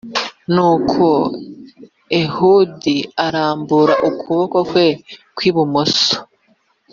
Nuko ehudi arambura ukuboko kwe kw ibumoso